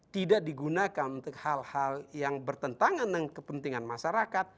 tidak digunakan untuk hal hal yang bertentangan dengan kepentingan masyarakat